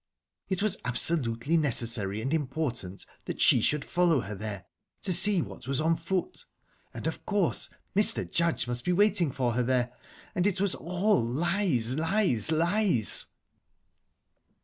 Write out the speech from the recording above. It was absolutely necessary and important that she should follow her there, to see what was on foot ...And, of course, Mr. Judge must be waiting for her there...and it was all lies! lies! lies!